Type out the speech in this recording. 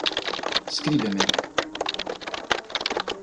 Scribe me.